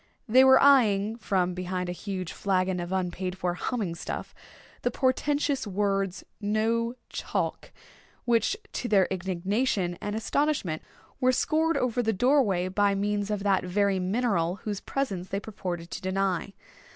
They were eyeing, from behind a huge flagon of unpaid for "humming stuff," the portentous words, "No Chalk," which to their indignation and astonishment were scored over the doorway by means of that very mineral whose presence they purported to deny.